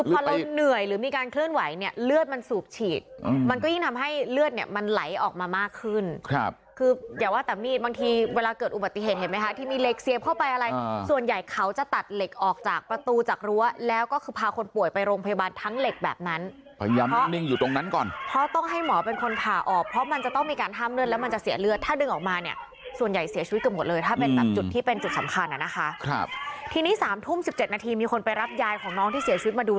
เหนื่อยหรือมีการเคลื่อนไหวเนี้ยเลือดมันสูบฉีดอืมมันก็ยิ่งทำให้เลือดเนี้ยมันไหลออกมามากขึ้นครับคืออย่าว่าแบบนี้บางทีเวลาเกิดอุบัติเหตุเห็นไหมค่ะที่มีเหล็กเสียเข้าไปอะไรอ่าส่วนใหญ่เขาจะตัดเหล็กออกจากประตูจากรั้วแล้วก็คือพาคนป่วยไปโรงพยาบาลทั้งเหล็กแบบนั้นพยายามนิ่